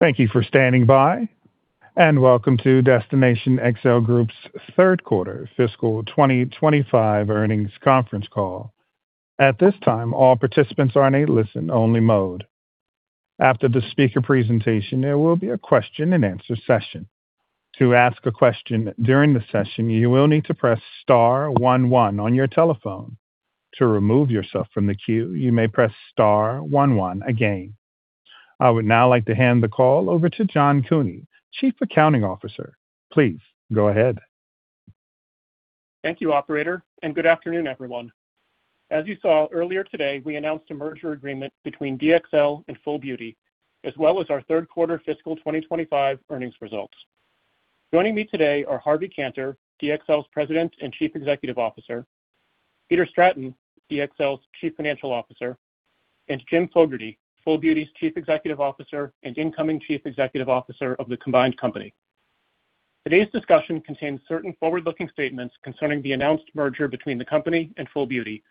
Thank you for standing by, and welcome to Destination XL Group's Q3 Fiscal 2025 Earnings Conference Call. At this time, all participants are in a listen-only mode. After the speaker presentation, there will be a question-and-answer session. To ask a question during the session, you will need to press star one one on your telephone. To remove yourself from the queue, you may press star one one again. I would now like to hand the call over to John Cooney, Chief Accounting Officer. Please go ahead. Thank you, Operator, and good afternoon, everyone. As you saw earlier today, we announced a merger agreement between DXL and FullBeauty, as well as our Q3 Fiscal 2025 earnings results. Joining me today are Harvey Kanter, DXL's President and Chief Executive Officer, Peter Stratton, DXL's Chief Financial Officer, and Jim Fogarty, FullBeauty's Chief Executive Officer and incoming Chief Executive Officer of the combined company. Today's discussion contains certain forward-looking statements concerning the announced merger between the company and FullBeauty,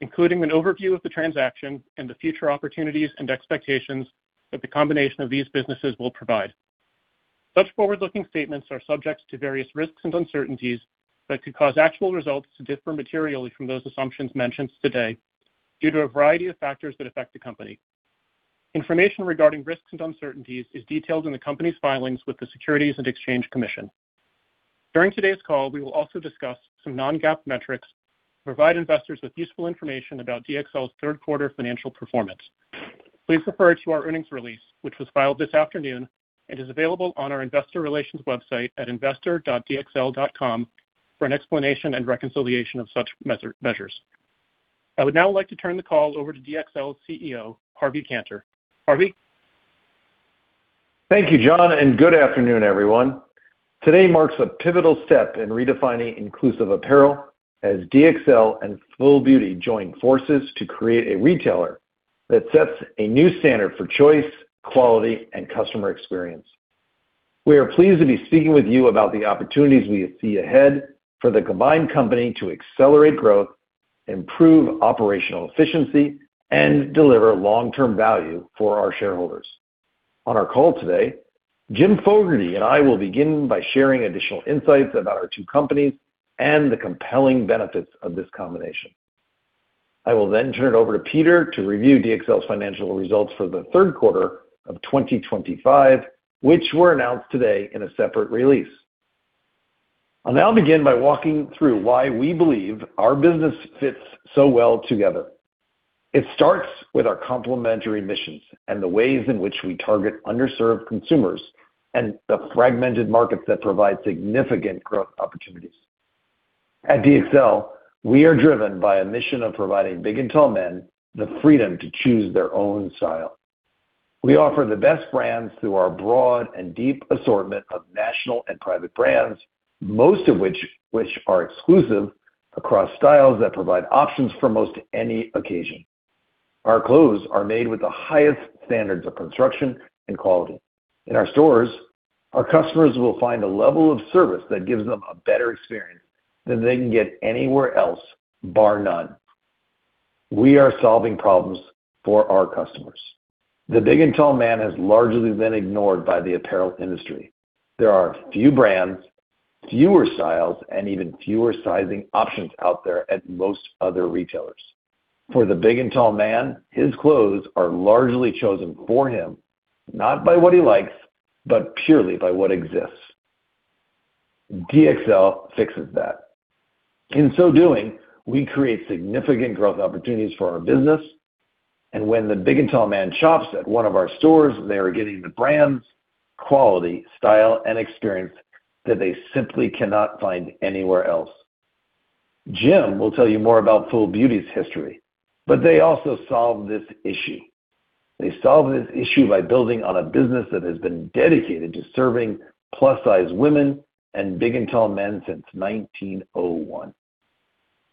including an overview of the transaction and the future opportunities and expectations that the combination of these businesses will provide. Such forward-looking statements are subject to various risks and uncertainties that could cause actual results to differ materially from those assumptions mentioned today due to a variety of factors that affect the company. Information regarding risks and uncertainties is detailed in the company's filings with the Securities and Exchange Commission. During today's call, we will also discuss some non-GAAP metrics to provide investors with useful information about DXL's Q3 financial performance. Please refer to our earnings release, which was filed this afternoon and is available on our Investor Relations website at investor.dxl.com for an explanation and reconciliation of such measures. I would now like to turn the call over to DXL's CEO, Harvey Kanter. Harvey. Thank you, John, and good afternoon, everyone. Today marks a pivotal step in redefining inclusive apparel as DXL and FullBeauty join forces to create a retailer that sets a new standard for choice, quality, and customer experience. We are pleased to be speaking with you about the opportunities we see ahead for the combined company to accelerate growth, improve operational efficiency, and deliver long-term value for our shareholders. On our call today, Jim Fogarty and I will begin by sharing additional insights about our two companies and the compelling benefits of this combination. I will then turn it over to Peter to review DXL's financial results for the Q3 of 2025, which were announced today in a separate release. I'll now begin by walking through why we believe our business fits so well together. It starts with our complementary missions and the ways in which we target underserved consumers and the fragmented markets that provide significant growth opportunities. At DXL, we are driven by a mission of providing big and tall men the freedom to choose their own style. We offer the best brands through our broad and deep assortment of national and private brands, most of which are exclusive across styles that provide options for most any occasion. Our clothes are made with the highest standards of construction and quality. In our stores, our customers will find a level of service that gives them a better experience than they can get anywhere else, bar none. We are solving problems for our customers. The big and tall man has largely been ignored by the apparel industry. There are few brands, fewer styles, and even fewer sizing options out there at most other retailers. For the big and tall man, his clothes are largely chosen for him, not by what he likes, but purely by what exists. DXL fixes that. In so doing, we create significant growth opportunities for our business, and when the big and tall man shops at one of our stores, they are getting the brands, quality, style, and experience that they simply cannot find anywhere else. Jim will tell you more about FullBeauty's history, but they also solve this issue. They solve this issue by building on a business that has been dedicated to serving plus-size women and big and tall men since 1901.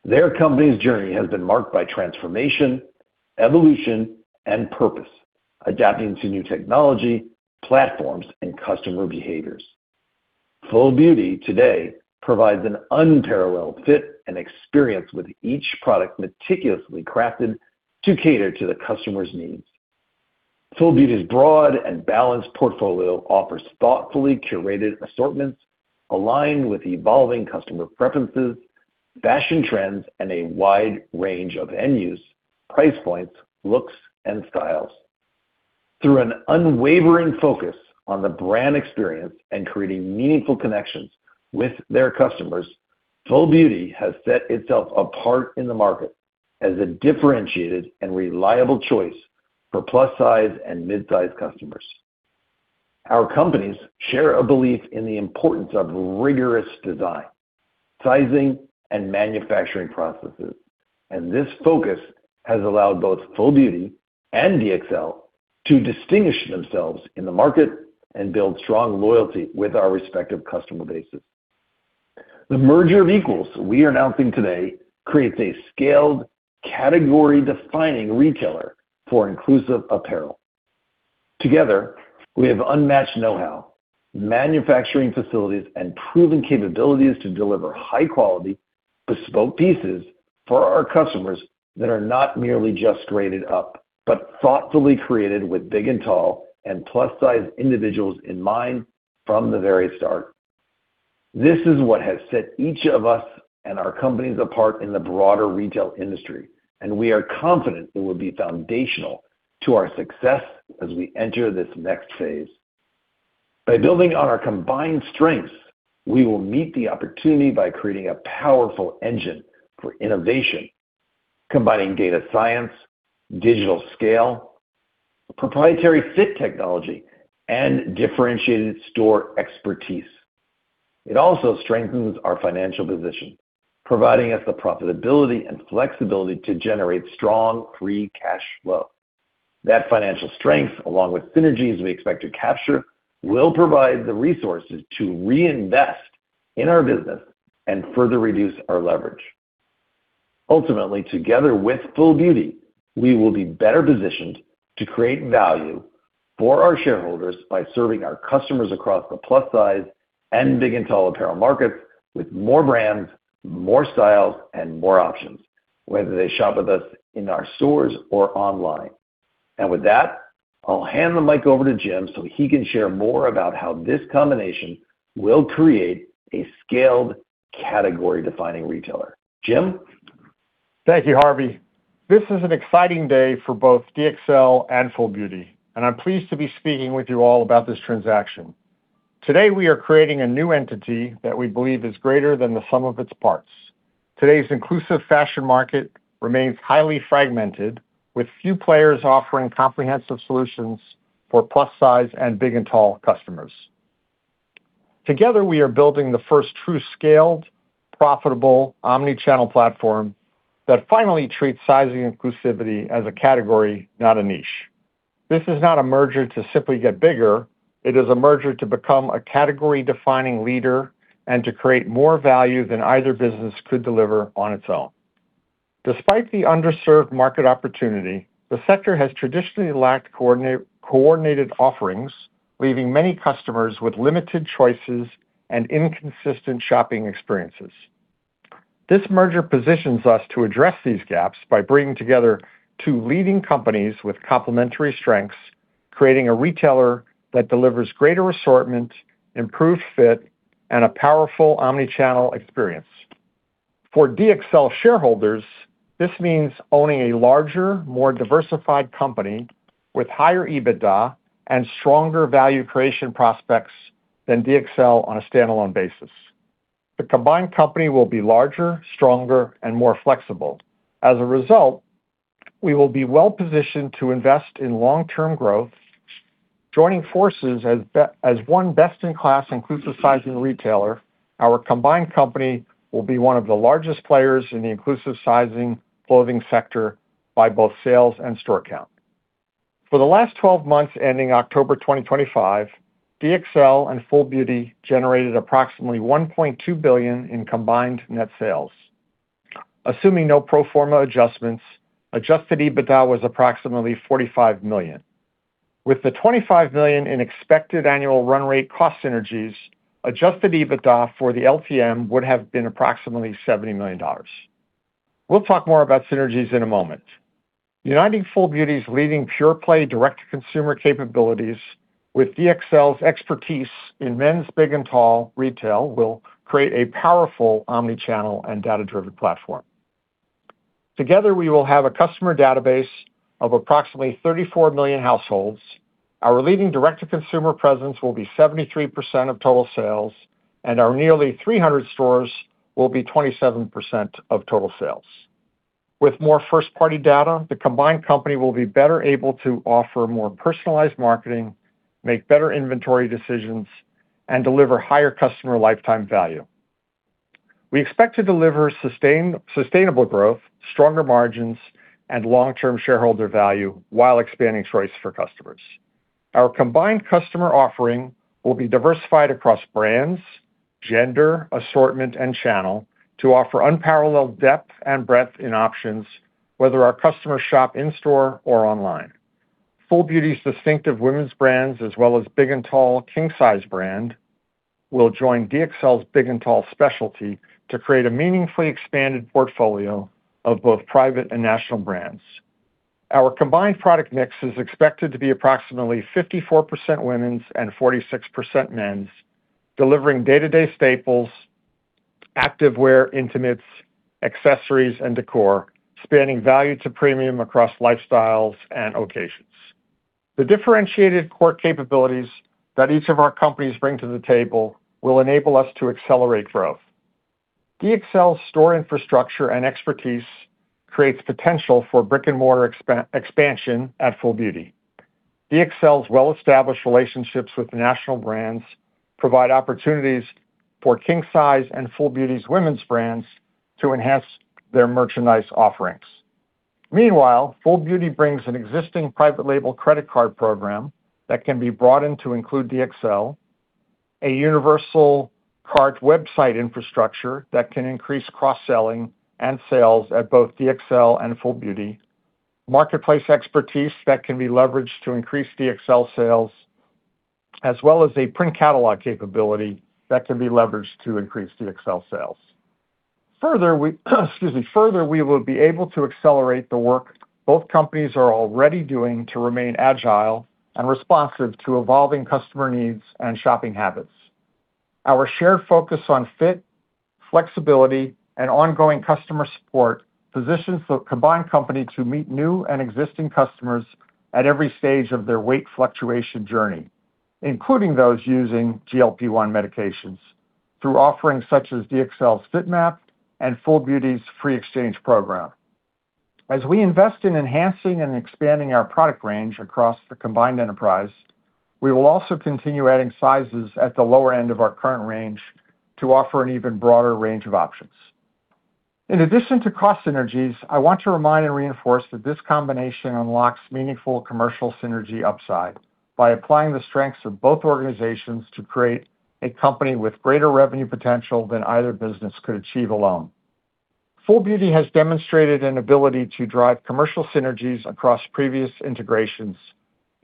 Their company's journey has been marked by transformation, evolution, and purpose, adapting to new technology, platforms, and customer behaviors. FullBeauty today provides an unparalleled fit and experience with each product meticulously crafted to cater to the customer's needs. FullBeauty's broad and balanced portfolio offers thoughtfully curated assortments aligned with evolving customer preferences, fashion trends, and a wide range of end-use, price points, looks, and styles. Through an unwavering focus on the brand experience and creating meaningful connections with their customers, FullBeauty has set itself apart in the market as a differentiated and reliable choice for plus-size and mid-size customers. Our companies share a belief in the importance of rigorous design, sizing, and manufacturing processes, and this focus has allowed both FullBeauty and DXL to distinguish themselves in the market and build strong loyalty with our respective customer bases. The merger of equals we are announcing today creates a scaled, category-defining retailer for inclusive apparel. Together, we have unmatched know-how, manufacturing facilities, and proven capabilities to deliver high-quality, bespoke pieces for our customers that are not merely just graded up, but thoughtfully created with Big and Tall and plus-size individuals in mind from the very start. This is what has set each of us and our companies apart in the broader retail industry, and we are confident it will be foundational to our success as we enter this next phase. By building on our combined strengths, we will meet the opportunity by creating a powerful engine for innovation, combining data science, digital scale, proprietary fit technology, and differentiated store expertise. It also strengthens our financial position, providing us the profitability and flexibility to generate strong free cash flow. That financial strength, along with synergies we expect to capture, will provide the resources to reinvest in our business and further reduce our leverage. Ultimately, together with FullBeauty, we will be better positioned to create value for our shareholders by serving our customers across the plus-size and Big and Tall apparel markets with more brands, more styles, and more options, whether they shop with us in our stores or online. And with that, I'll hand the mic over to Jim so he can share more about how this combination will create a scaled, category-defining retailer. Jim? Thank you, Harvey. This is an exciting day for both DXL and FullBeauty, and I'm pleased to be speaking with you all about this transaction. Today, we are creating a new entity that we believe is greater than the sum of its parts. Today's inclusive fashion market remains highly fragmented, with few players offering comprehensive solutions for plus-size and Big and Tall customers. Together, we are building the first true scaled, profitable omnichannel platform that finally treats sizing inclusivity as a category, not a niche. This is not a merger to simply get bigger. It is a merger to become a category-defining leader and to create more value than either business could deliver on its own. Despite the underserved market opportunity, the sector has traditionally lacked coordinated offerings, leaving many customers with limited choices and inconsistent shopping experiences. This merger positions us to address these gaps by bringing together two leading companies with complementary strengths, creating a retailer that delivers greater assortment, improved fit, and a powerful omnichannel experience. For DXL shareholders, this means owning a larger, more diversified company with higher EBITDA and stronger value creation prospects than DXL on a standalone basis. The combined company will be larger, stronger, and more flexible. As a result, we will be well-positioned to invest in long-term growth. Joining forces as one best-in-class inclusive sizing retailer, our combined company will be one of the largest players in the inclusive sizing clothing sector by both sales and store count. For the last 12 months ending October 2025, DXL and FullBeauty generated approximately $1.2 billion in combined net sales. Assuming no pro forma adjustments, Adjusted EBITDA was approximately $45 million. With the $25 million in expected annual run rate cost synergies, Adjusted EBITDA for the LTM would have been approximately $70 million. We'll talk more about synergies in a moment. Uniting FullBeauty's leading pure-play direct-to-consumer capabilities with DXL's expertise in men's Big and Tall retail will create a powerful omnichannel and data-driven platform. Together, we will have a customer database of approximately 34 million households. Our leading direct-to-consumer presence will be 73% of total sales, and our nearly 300 stores will be 27% of total sales. With more first-party data, the combined company will be better able to offer more personalized marketing, make better inventory decisions, and deliver higher customer lifetime value. We expect to deliver sustainable growth, stronger margins, and long-term shareholder value while expanding choice for customers. Our combined customer offering will be diversified across brands, gender, assortment, and channel to offer unparalleled depth and breadth in options, whether our customers shop in-store or online. FullBeauty's distinctive women's brands, as well as Big and Tall KingSize brand, will join DXL's Big and Tall specialty to create a meaningfully expanded portfolio of both private and national brands. Our combined product mix is expected to be approximately 54% women's and 46% men's, delivering day-to-day staples, activewear, intimates, accessories, and decor, spanning value to premium across lifestyles and occasions. The differentiated core capabilities that each of our companies bring to the table will enable us to accelerate growth. DXL's store infrastructure and expertise creates potential for brick-and-mortar expansion at FullBeauty. DXL's well-established relationships with national brands provide opportunities for KingSize and FullBeauty's women's brands to enhance their merchandise offerings. Meanwhile, FullBeauty brings an existing private label credit card program that can be broadened to include DXL, a Universal Cart website infrastructure that can increase cross-selling and sales at both DXL and FullBeauty, marketplace expertise that can be leveraged to increase DXL sales, as well as a print catalog capability that can be leveraged to increase DXL sales. Further, we will be able to accelerate the work both companies are already doing to remain agile and responsive to evolving customer needs and shopping habits. Our shared focus on fit, flexibility, and ongoing customer support positions the combined company to meet new and existing customers at every stage of their weight fluctuation journey, including those using GLP-1 medications, through offerings such as FitMAP and FullBeauty's Fit Exchange program. As we invest in enhancing and expanding our product range across the combined enterprise, we will also continue adding sizes at the lower end of our current range to offer an even broader range of options. In addition to cost synergies, I want to remind and reinforce that this combination unlocks meaningful commercial synergy upside by applying the strengths of both organizations to create a company with greater revenue potential than either business could achieve alone. FullBeauty has demonstrated an ability to drive commercial synergies across previous integrations,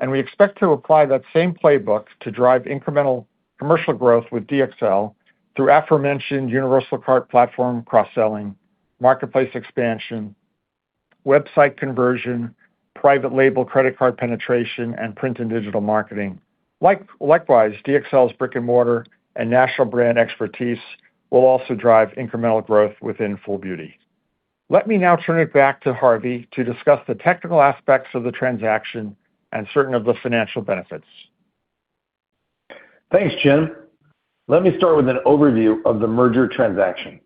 and we expect to apply that same playbook to drive incremental commercial growth with DXL through aforementioned Universal Cart platform cross-selling, marketplace expansion, website conversion, private label credit card penetration, and print and digital marketing. Likewise, DXL's brick-and-mortar and national brand expertise will also drive incremental growth within FullBeauty. Let me now turn it back to Harvey to discuss the technical aspects of the transaction and certain of the financial benefits. Thanks, Jim. Let me start with an overview of the merger transaction.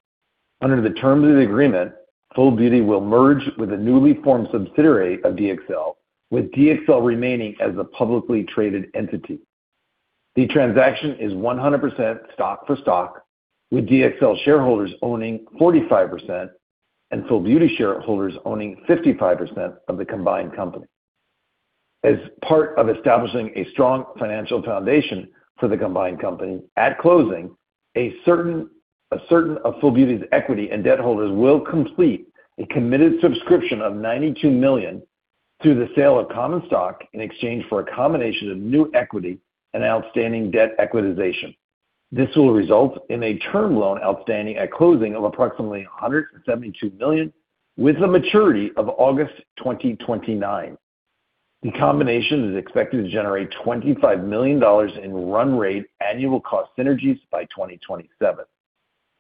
Under the terms of the agreement, FullBeauty will merge with a newly formed subsidiary of DXL, with DXL remaining as the publicly traded entity. The transaction is 100% stock-for-stock, with DXL shareholders owning 45% and FullBeauty shareholders owning 55% of the combined company. As part of establishing a strong financial foundation for the combined company at closing, a certain of FullBeauty's equity and debt holders will complete a committed subscription of $92 million through the sale of common stock in exchange for a combination of new equity and outstanding debt equitization. This will result in a term loan outstanding at closing of approximately $172 million with a maturity of August 2029. The combination is expected to generate $25 million in run rate annual cost synergies by 2027.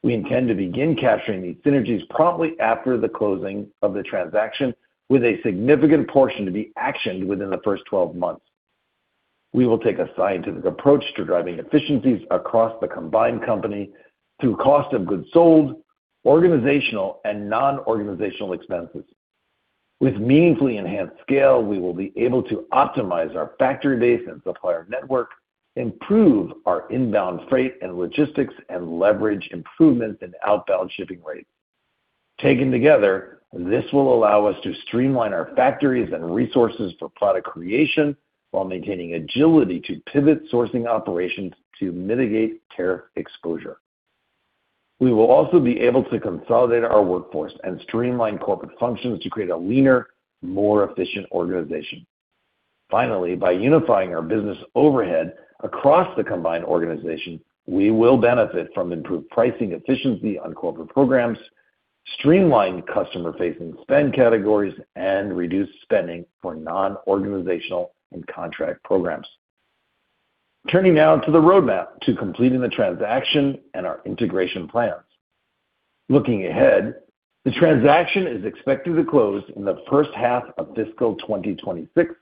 We intend to begin capturing these synergies promptly after the closing of the transaction, with a significant portion to be actioned within the first 12 months. We will take a scientific approach to driving efficiencies across the combined company through cost of goods sold, organizational, and non-organizational expenses. With meaningfully enhanced scale, we will be able to optimize our factory base and supplier network, improve our inbound freight and logistics, and leverage improvements in outbound shipping rates. Taken together, this will allow us to streamline our factories and resources for product creation while maintaining agility to pivot sourcing operations to mitigate tariff exposure. We will also be able to consolidate our workforce and streamline corporate functions to create a leaner, more efficient organization. Finally, by unifying our business overhead across the combined organization, we will benefit from improved pricing efficiency on corporate programs, streamlined customer-facing spend categories, and reduced spending for non-organizational and contract programs. Turning now to the roadmap to completing the transaction and our integration plans. Looking ahead, the transaction is expected to close in the first half of fiscal 2026,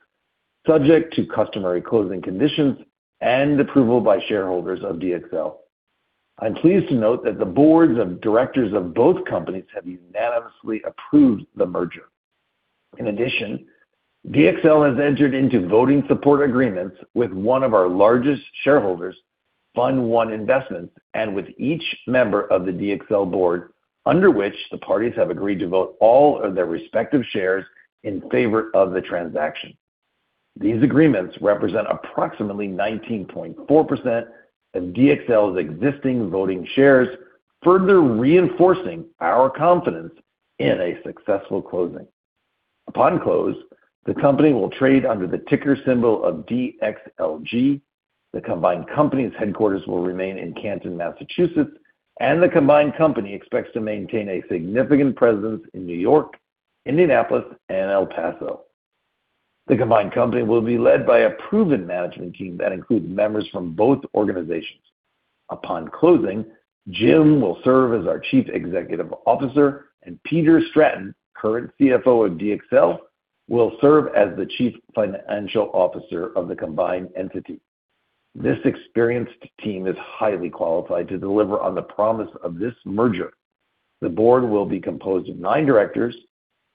subject to customary closing conditions and approval by shareholders of DXL. I'm pleased to note that the boards of directors of both companies have unanimously approved the merger. In addition, DXL has entered into voting support agreements with one of our largest shareholders, Fund 1 Investments, and with each member of the DXL board, under which the parties have agreed to vote all of their respective shares in favor of the transaction. These agreements represent approximately 19.4% of DXL's existing voting shares, further reinforcing our confidence in a successful closing. Upon close, the company will trade under the ticker symbol of DXLG. The combined company's headquarters will remain in Canton, Massachusetts, and the combined company expects to maintain a significant presence in New York, Indianapolis, and El Paso. The combined company will be led by a proven management team that includes members from both organizations. Upon closing, Jim will serve as our Chief Executive Officer, and Peter Stratton, current CFO of DXL, will serve as the Chief Financial Officer of the combined entity. This experienced team is highly qualified to deliver on the promise of this merger. The board will be composed of nine directors,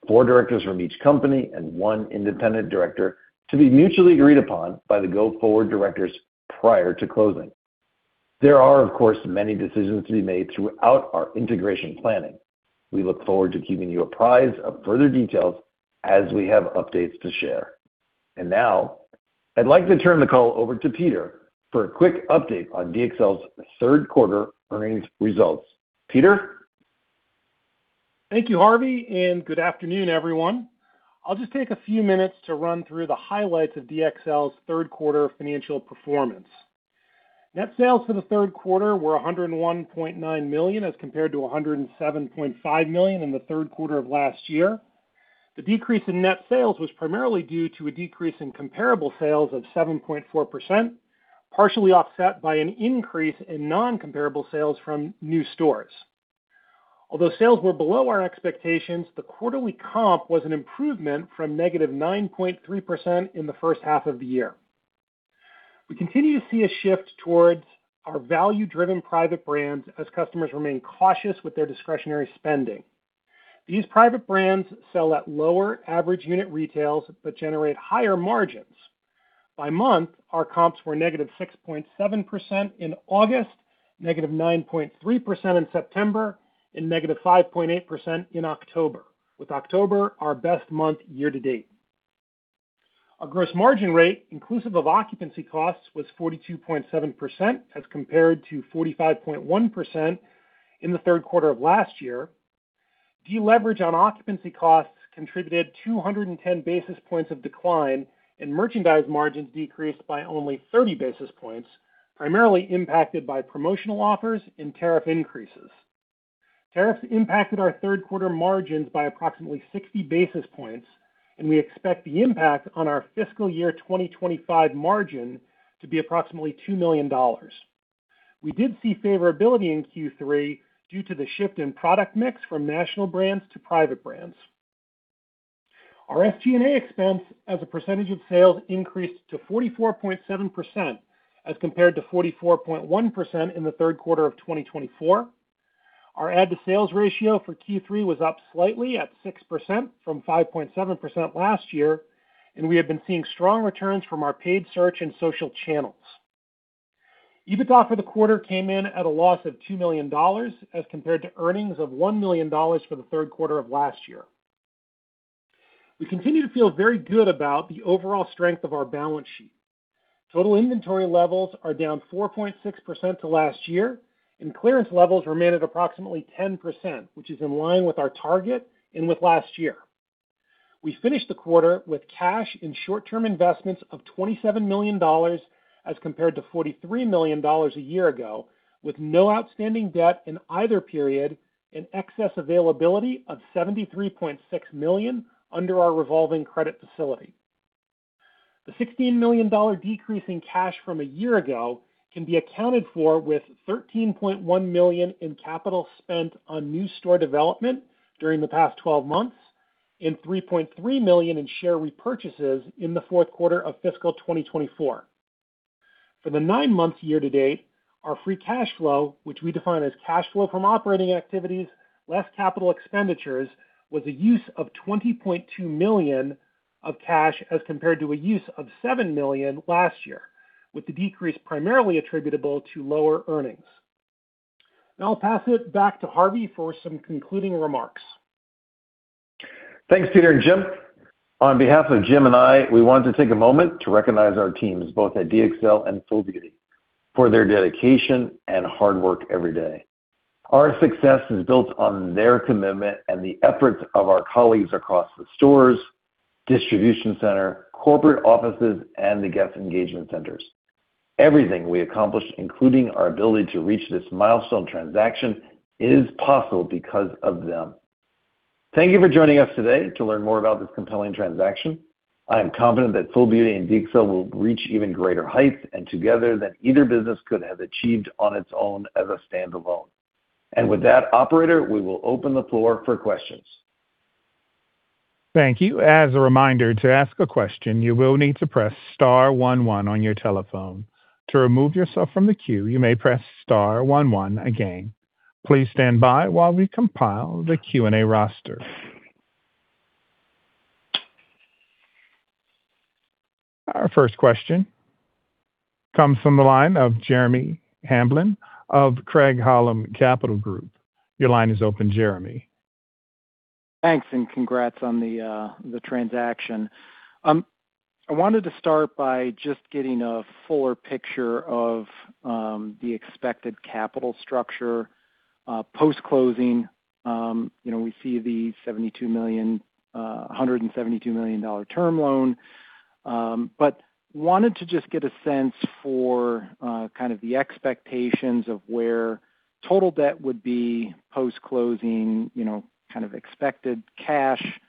four directors from each company, and one independent director to be mutually agreed upon by the go forward directors prior to closing. There are, of course, many decisions to be made throughout our integration planning. We look forward to keeping you apprised of further details as we have updates to share. And now, I'd like to turn the call over to Peter for a quick update on DXL's Q3 earnings results. Peter? Thank you, Harvey, and good afternoon, everyone. I'll just take a few minutes to run through the highlights of DXL's Q3 financial performance. Net sales for the Q3 were $101.9 million as compared to $107.5 million in the Q3 of last year. The decrease in net sales was primarily due to a decrease in comparable sales of 7.4%, partially offset by an increase in non-comparable sales from new stores. Although sales were below our expectations, the quarterly comp was an improvement from -9.3% in the first half of the year. We continue to see a shift towards our value-driven private brands as customers remain cautious with their discretionary spending. These private brands sell at lower average unit retails but generate higher margins. By month, our comps were negative 6.7% in August, negative 9.3% in September, and negative 5.8% in October, with October our best month year-to-date. Our gross margin rate, inclusive of occupancy costs, was 42.7% as compared to 45.1% in the Q3 of last year. Deleverage on occupancy costs contributed 210 basis points of decline, and merchandise margins decreased by only 30 basis points, primarily impacted by promotional offers and tariff increases. Tariffs impacted our Q3 margins by approximately 60 basis points, and we expect the impact on our fiscal year 2025 margin to be approximately $2 million. We did see favorability in Q3 due to the shift in product mix from national brands to private brands. Our SG&A expense as a percentage of sales increased to 44.7% as compared to 44.1% in the Q3 of 2024. Our ad-to-sales ratio for Q3 was up slightly at 6% from 5.7% last year, and we have been seeing strong returns from our paid search and social channels. EBITDA for the quarter came in at a loss of $2 million as compared to earnings of $1 million for the Q3 of last year. We continue to feel very good about the overall strength of our balance sheet. Total inventory levels are down 4.6% to last year, and clearance levels remain at approximately 10%, which is in line with our target and with last year. We finished the quarter with cash and short-term investments of $27 million as compared to $43 million a year ago, with no outstanding debt in either period and excess availability of $73.6 million under our revolving credit facility. The $16 million decrease in cash from a year ago can be accounted for with $13.1 million in capital spent on new store development during the past 12 months and $3.3 million in share repurchases in the Q4 of fiscal 2024. For the nine-month year-to-date, our free cash flow, which we define as cash flow from operating activities, less capital expenditures, was a use of $20.2 million of cash as compared to a use of $7 million last year, with the decrease primarily attributable to lower earnings. Now, I'll pass it back to Harvey for some concluding remarks. Thanks, Peter and Jim. On behalf of Jim and I, we wanted to take a moment to recognize our teams, both at DXL and FullBeauty, for their dedication and hard work every day. Our success is built on their commitment and the efforts of our colleagues across the stores, distribution center, corporate offices, and the Guest Engagement Centers. Everything we accomplished, including our ability to reach this milestone transaction, is possible because of them. Thank you for joining us today to learn more about this compelling transaction. I am confident that FullBeauty and DXL will reach even greater heights and together than either business could have achieved on its own as a standalone. And with that, Operator, we will open the floor for questions. Thank you. As a reminder, to ask a question, you will need to press star one one on your telephone. To remove yourself from the queue, you may press star one one again. Please stand by while we compile the Q&A roster. Our first question comes from the line of Jeremy Hamblin of Craig-Hallum Capital Group. Your line is open, Jeremy. Thanks, and congrats on the transaction. I wanted to start by just getting a fuller picture of the expected capital structure post-closing. We see the $172 million term loan, but wanted to just get a sense for kind of the expectations of where total debt would be post-closing, kind of expected cash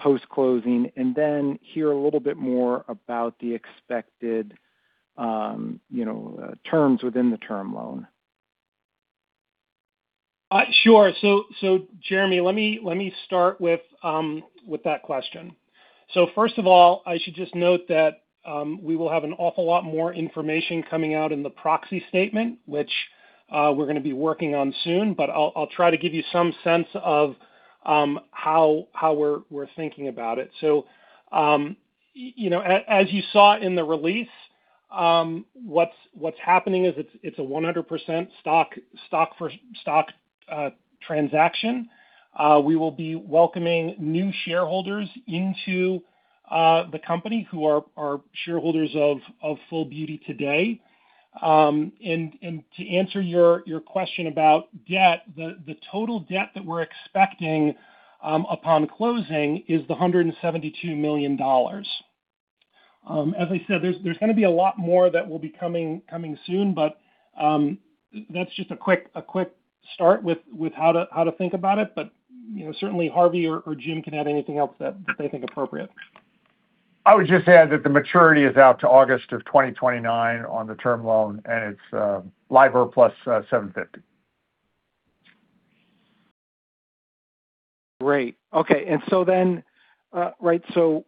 post-closing, and then hear a little bit more about the expected terms within the term loan. Sure. So, Jeremy, let me start with that question. So, first of all, I should just note that we will have an awful lot more information coming out in the proxy statement, which we're going to be working on soon, but I'll try to give you some sense of how we're thinking about it. So, as you saw in the release, what's happening is it's a 100% stock transaction. We will be welcoming new shareholders into the company who are shareholders of FullBeauty today. And to answer your question about debt, the total debt that we're expecting upon closing is the $172 million. As I said, there's going to be a lot more that will be coming soon, but that's just a quick start with how to think about it. But certainly, Harvey or Jim can add anything else that they think appropriate. I would just add that the maturity is out to August of 2029 on the term loan, and it's LIBOR plus 750. Great. Okay. And so then, right, so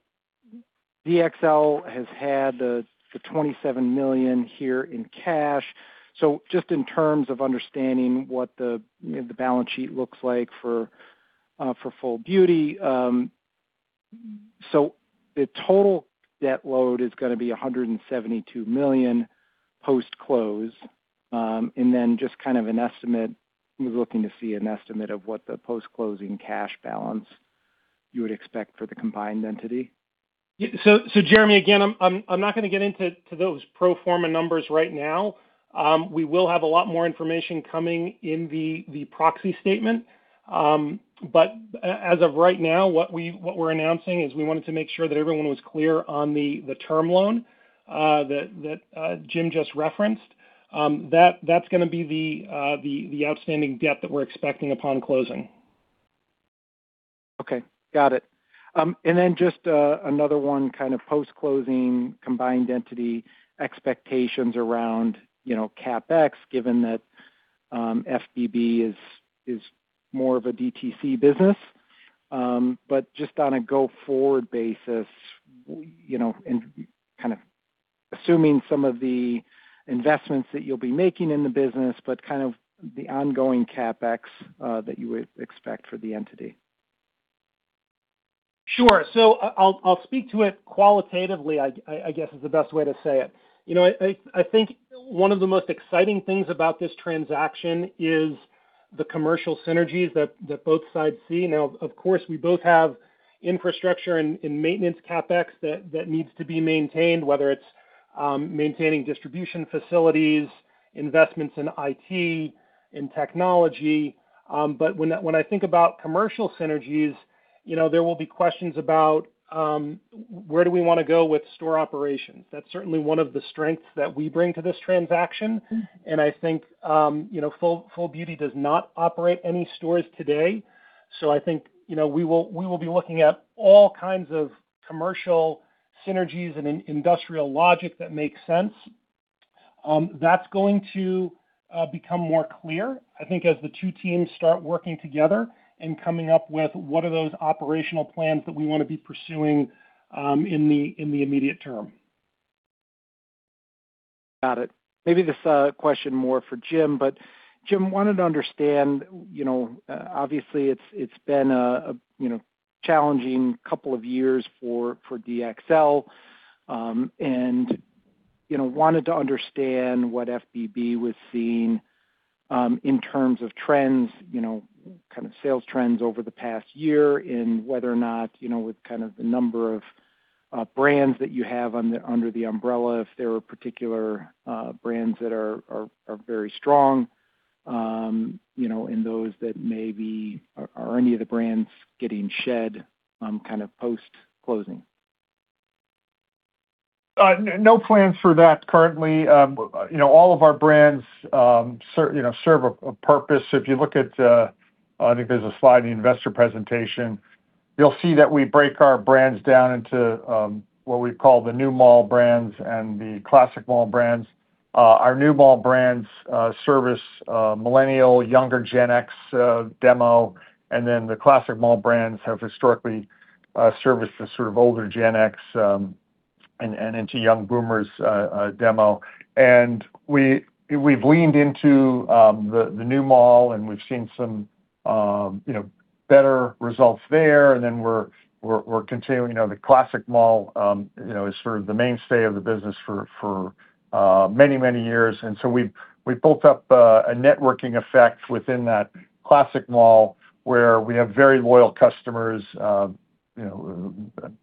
DXL has had the $27 million here in cash, so just in terms of understanding what the balance sheet looks like for FullBeauty, so the total debt load is going to be $172 million post-close and then just kind of an estimate, we're looking to see an estimate of what the post-closing cash balance you would expect for the combined entity. So, Jeremy, again, I'm not going to get into those pro forma numbers right now. We will have a lot more information coming in the proxy statement. But as of right now, what we're announcing is we wanted to make sure that everyone was clear on the term loan that Jim just referenced. That's going to be the outstanding debt that we're expecting upon closing. Okay. Got it. And then just another one, kind of post-closing combined entity expectations around CapEx, given that FBB is more of a DTC business. But just on a go forward basis, and kind of assuming some of the investments that you'll be making in the business, but kind of the ongoing CapEx that you would expect for the entity. Sure. So I'll speak to it qualitatively. I guess is the best way to say it. I think one of the most exciting things about this transaction is the commercial synergies that both sides see. Now, of course, we both have infrastructure and maintenance CapEx that needs to be maintained, whether it's maintaining distribution facilities, investments in IT, in technology. But when I think about commercial synergies, there will be questions about where do we want to go with store operations. That's certainly one of the strengths that we bring to this transaction. And I think FullBeauty does not operate any stores today. So I think we will be looking at all kinds of commercial synergies and industrial logic that make sense. That's going to become more clear, I think, as the two teams start working together and coming up with what are those operational plans that we want to be pursuing in the immediate term. Got it. Maybe this question more for Jim. But Jim, wanted to understand, obviously, it's been a challenging couple of years for DXL, and wanted to understand what FBB was seeing in terms of trends, kind of sales trends over the past year, and whether or not with kind of the number of brands that you have under the umbrella, if there are particular brands that are very strong and those that maybe are any of the brands getting shed kind of post-closing. No plans for that currently. All of our brands serve a purpose. If you look at, I think there's a slide in the investor presentation, you'll see that we break our brands down into what we call the New Mall brands and the Classic Mall brands. Our New Mall brands service millennial, younger Gen X demo, and then the Classic Mall brands have historically serviced the sort of older Gen X and into young boomers demo. And we've leaned into the New Mall, and we've seen some better results there. And then we're continuing the Classic Mall as sort of the mainstay of the business for many, many years. And so we've built up a network effect within that Classic Mall where we have very loyal customers.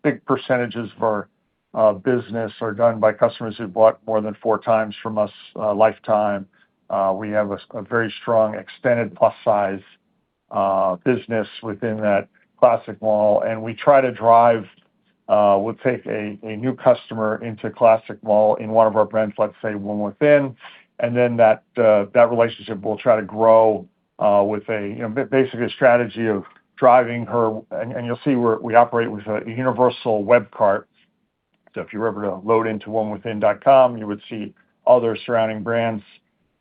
Big percentages of our business are done by customers who've bought more than four times from us lifetime. We have a very strong extended plus size business within that Classic Mall. And we try to drive. We'll take a new customer into Classic Mall in one of our brands, let's say, Woman Within. And then that relationship will try to grow with basically a strategy of driving her. And you'll see we operate with a Universal Cart. So if you were ever to load into WomanWithin.com, you would see other surrounding brands.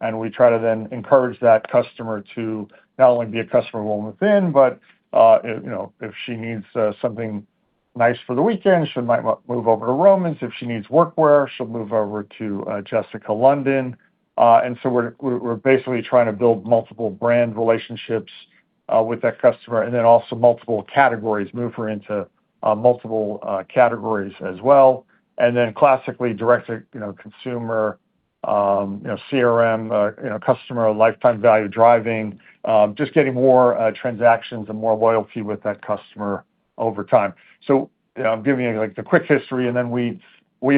And we try to then encourage that customer to not only be a customer of Woman Within, but if she needs something nice for the weekend, she might move over to Roaman's. If she needs workwear, she'll move over to Jessica London. And so we're basically trying to build multiple brand relationships with that customer, and then also multiple categories, move her into multiple categories as well. And then, classically, direct to consumer, CRM, customer lifetime value driving, just getting more transactions and more loyalty with that customer over time. So, I'm giving you the quick history. And then, we,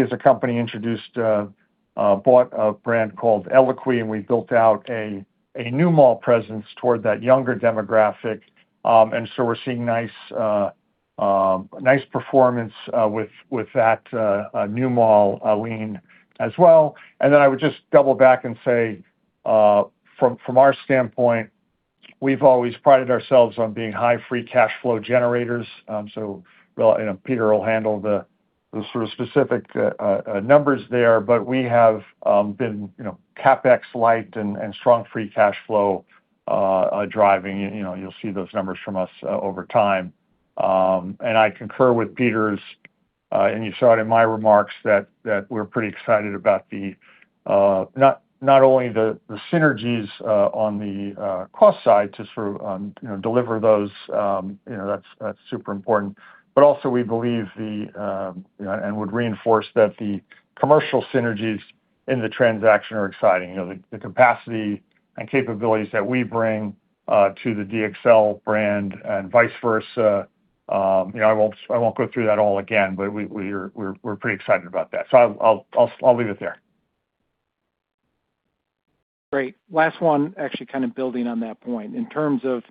as a company, introduced bought a brand called Eloquii, and we built out a New Mall presence toward that younger demographic. And so, we're seeing nice performance with that New Mall lean as well. And then, I would just double back and say, from our standpoint, we've always prided ourselves on being high free cash flow generators. So, Peter will handle the sort of specific numbers there. But we have been CapEx light and strong free cash flow driving. You'll see those numbers from us over time. And I concur with Peter's, and you saw it in my remarks, that we're pretty excited about not only the synergies on the cost side to sort of deliver those, that's super important, but also we believe the, and would reinforce that the commercial synergies in the transaction are exciting. The capacity and capabilities that we bring to the DXL brand and vice versa. I won't go through that all again, but we're pretty excited about that, so I'll leave it there. Great. Last one, actually kind of building on that point. In terms of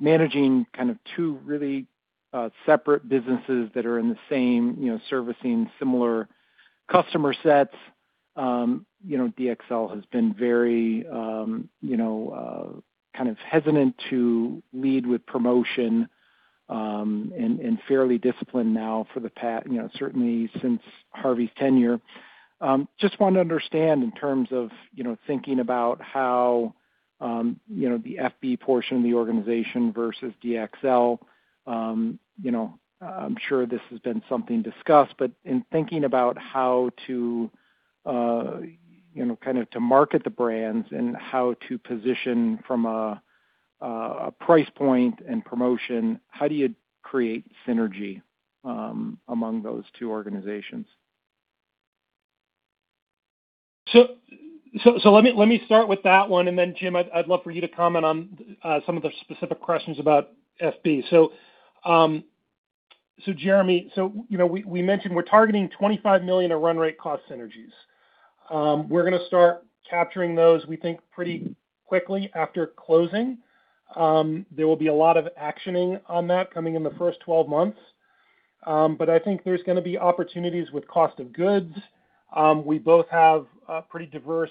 managing kind of two really separate businesses that are in the same serving similar customer sets, DXL has been very kind of hesitant to lead with promotion and fairly disciplined now for the past, certainly since Harvey's tenure. Just wanted to understand in terms of thinking about how the FB portion of the organization versus DXL. I'm sure this has been something discussed, but in thinking about how to kind of market the brands and how to position from a price point and promotion, how do you create synergy among those two organizations? So let me start with that one. And then, Jim, I'd love for you to comment on some of the specific questions about FB. So, Jeremy, so we mentioned we're targeting $25 million of run rate cost synergies. We're going to start capturing those, we think, pretty quickly after closing. There will be a lot of actioning on that coming in the first 12 months. But I think there's going to be opportunities with cost of goods. We both have a pretty diverse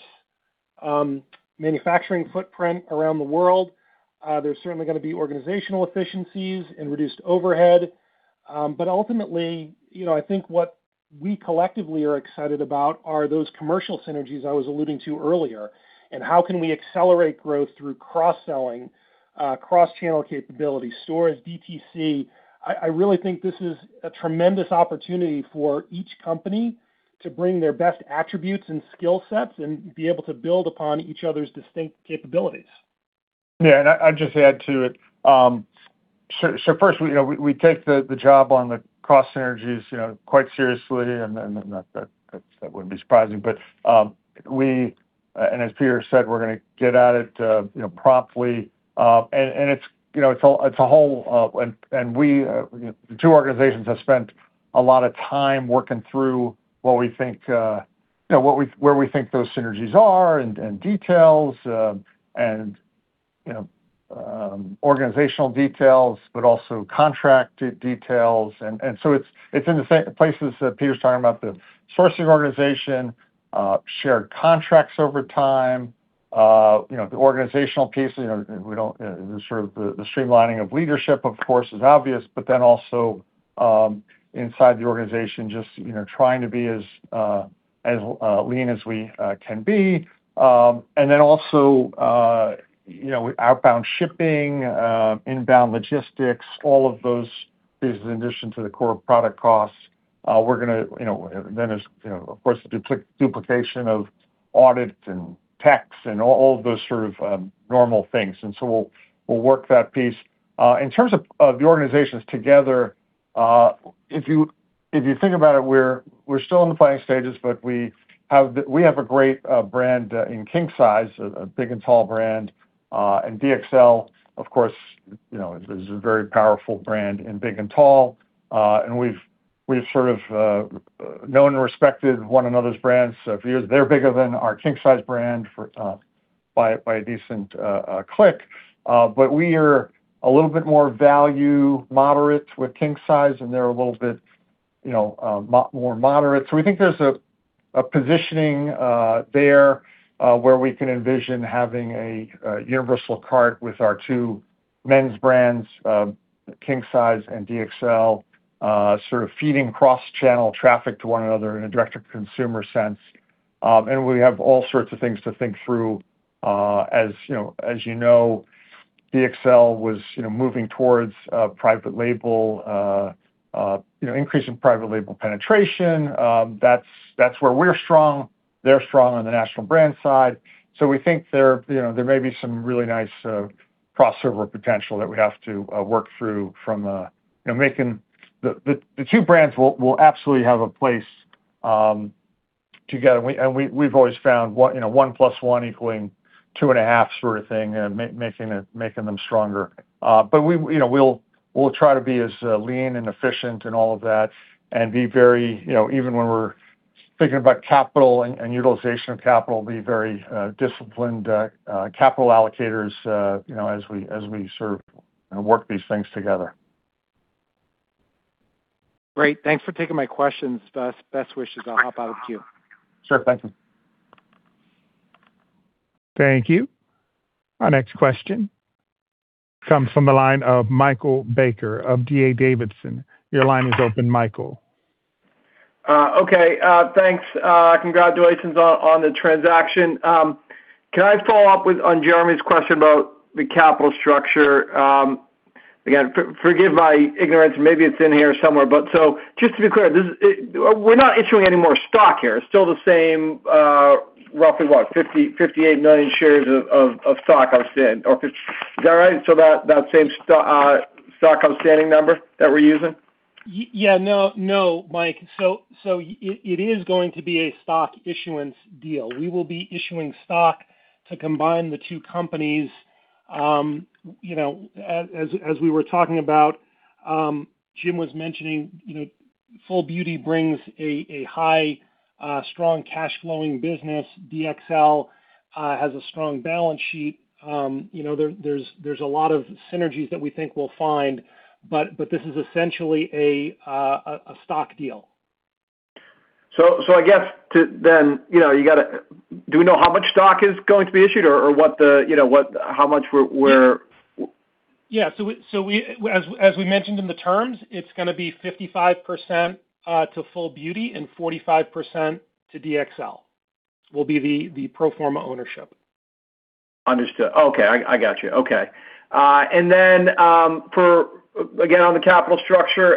manufacturing footprint around the world. There's certainly going to be organizational efficiencies and reduced overhead. But ultimately, I think what we collectively are excited about are those commercial synergies I was alluding to earlier. And how can we accelerate growth through cross-selling, cross-channel capability, sourcing, DTC? I really think this is a tremendous opportunity for each company to bring their best attributes and skill sets and be able to build upon each other's distinct capabilities. Yeah, and I'd just add to it. First, we take the job on the cost synergies quite seriously, and that wouldn't be surprising. And as Peter said, we're going to get at it promptly. It's a whole, and the two organizations have spent a lot of time working through what we think, where we think those synergies are and details and organizational details, but also contract details. So it's in the same places that Peter's talking about: the sourcing organization, shared contracts over time, the organizational pieces. Sort of the streamlining of leadership, of course, is obvious, but then also inside the organization, just trying to be as lean as we can be. Then also outbound shipping, inbound logistics, all of those pieces in addition to the core product costs. We're going to, then there's of course the duplication of audit and tax and all of those sort of normal things, and so we'll work that piece. In terms of the organizations together, if you think about it, we're still in the planning stages, but we have a great brand in KingSize, a Big and Tall brand, and DXL, of course, is a very powerful brand in Big and Tall. We've sort of known and respected one another's brands for years. They're bigger than our KingSize brand by a decent click, but we are a little bit more value moderate with KingSize, and they're a little bit more moderate, so we think there's a positioning there where we can envision having a Universal Cart with our two men's brands, KingSize and DXL, sort of feeding cross-channel traffic to one another in a direct-to-consumer sense. And we have all sorts of things to think through. As you know, DXL was moving towards private label, increasing private label penetration. That's where we're strong. They're strong on the national brand side. So we think there may be some really nice cross-sell potential that we have to work through from making sure the two brands will absolutely have a place together. And we've always found one plus one equaling two and a half sort of thing, making them stronger. But we'll try to be as lean and efficient and all of that, and be very, even when we're thinking about capital and utilization of capital, be very disciplined capital allocators as we sort of work these things together. Great. Thanks for taking my questions. Best wishes. I'll hop out of the queue. Sure. Thank you. Thank you. Our next question comes from the line of Michael Baker of D.A. Davidson. Your line is open, Michael. Okay. Thanks. Congratulations on the transaction. Can I follow up on Jeremy's question about the capital structure? Again, forgive my ignorance. Maybe it's in here somewhere. But so just to be clear, we're not issuing any more stock here. It's still the same, roughly what, 58 million shares of stock outstanding, or is that right? So that same stock outstanding number that we're using? Yeah. No, Mike. So it is going to be a stock issuance deal. We will be issuing stock to combine the two companies. As we were talking about, Jim was mentioning FullBeauty brings a high, strong cash flowing business. DXL has a strong balance sheet. There's a lot of synergies that we think we'll find, but this is essentially a stock deal. I guess then, do we know how much stock is going to be issued or how much we're? Yeah. So as we mentioned in the terms, it's going to be 55% to FullBeauty and 45% to DXL will be the pro forma ownership. Understood. Okay. I got you. Okay. And then for, again, on the capital structure,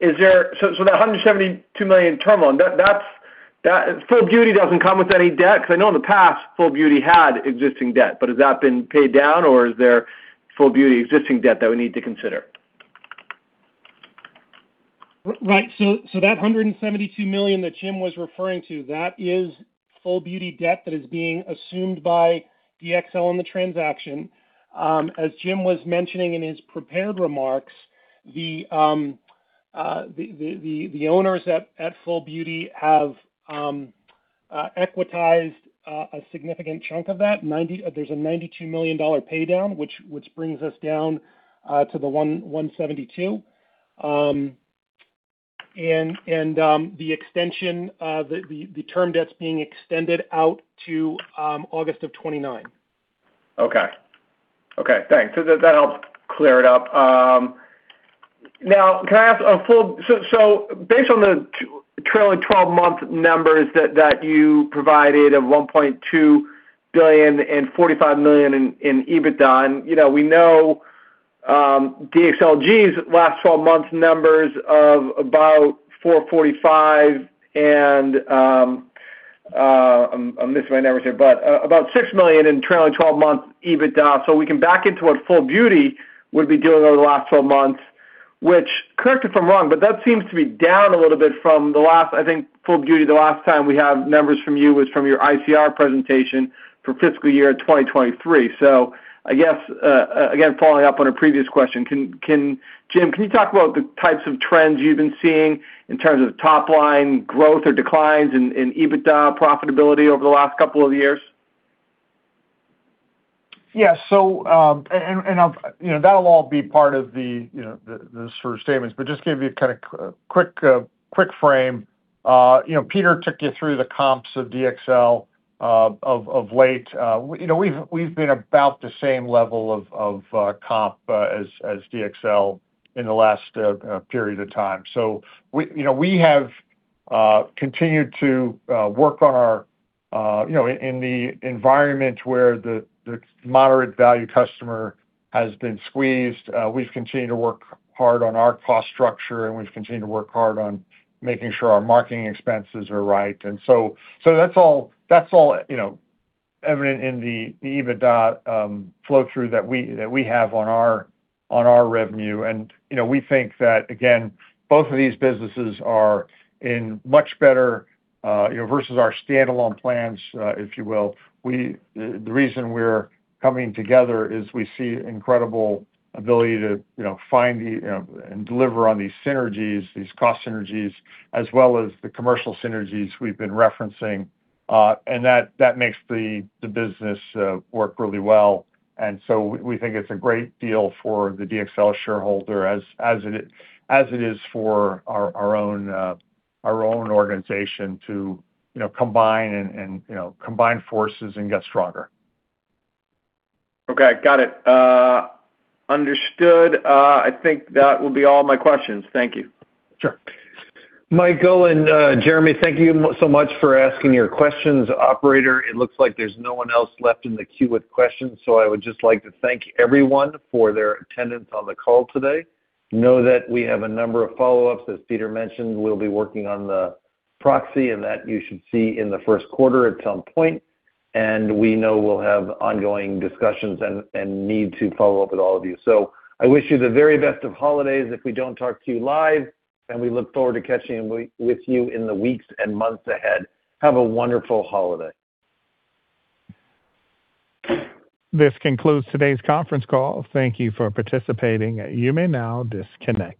is there so that $172 million term loan, that's FullBeauty doesn't come with any debt? Because I know in the past, FullBeauty had existing debt, but has that been paid down, or is there FullBeauty existing debt that we need to consider? Right. So that $172 million that Jim was referring to, that is FullBeauty debt that is being assumed by DXL in the transaction. As Jim was mentioning in his prepared remarks, the owners at FullBeauty have equitized a significant chunk of that. There's a $92 million paydown, which brings us down to the 172. And the extension, the term debt's being extended out to August of 2029. Okay. Okay. Thanks. So that helps clear it up. Now, can I ask a follow-up, so based on the trailing 12-month numbers that you provided of $1.2 billion and $45 million in EBITDA, we know DXLG's last 12-month numbers of about $445 million, and I'm missing my numbers here, but about $6 million in trailing 12-month EBITDA. So we can back into what FullBeauty would be doing over the last 12 months, which, correct me if I'm wrong, but that seems to be down a little bit from the last. I think FullBeauty, the last time we have numbers from you was from your ICR presentation for fiscal year 2023. So I guess, again, following up on a previous question, Jim, can you talk about the types of trends you've been seeing in terms of top-line growth or declines in EBITDA profitability over the last couple of years? Yeah. And that'll all be part of the sort of statements, but just give you kind of a quick frame. Peter took you through the comps of DXL of late. We've been about the same level of comp as DXL in the last period of time. So we have continued to work on our in the environment where the moderate value customer has been squeezed. We've continued to work hard on our cost structure, and we've continued to work hard on making sure our marketing expenses are right. And so that's all evident in the EBITDA flow-through that we have on our revenue. And we think that, again, both of these businesses are in much better versus our standalone plans, if you will. The reason we're coming together is we see incredible ability to find and deliver on these synergies, these cost synergies, as well as the commercial synergies we've been referencing. And that makes the business work really well. And so we think it's a great deal for the DXL shareholder as it is for our own organization to combine forces and get stronger. Okay. Got it. Understood. I think that will be all my questions. Thank you. Sure. Michael and Jeremy, thank you so much for asking your questions. Operator, it looks like there's no one else left in the queue with questions, so I would just like to thank everyone for their attendance on the call today. Now that we have a number of follow-ups, as Peter mentioned. We'll be working on the proxy, and that you should see in the Q1 at some point. And now we'll have ongoing discussions and need to follow up with all of you. So I wish you the very best of holidays if we don't talk to you live, and we look forward to catching up with you in the weeks and months ahead. Have a wonderful holiday. This concludes today's conference call. Thank you for participating. You may now disconnect.